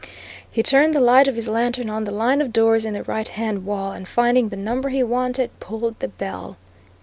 He turned the light of his lantern on the line of doors in the right hand wall, and finding the number he wanted, pulled the bell.